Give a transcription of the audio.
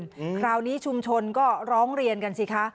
คราวนี้ชุมชนก็ร้องเรียนกันสิคะ